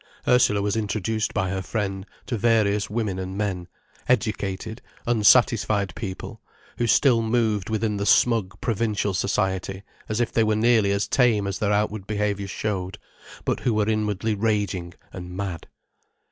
Ursula was introduced by her friend to various women and men, educated, unsatisfied people, who still moved within the smug provincial society as if they were nearly as tame as their outward behaviour showed, but who were inwardly raging and mad.